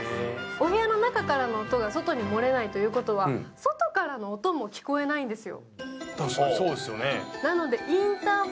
お部屋の中からの音が外に漏れないということは、外からの音も聞こえないんですよ。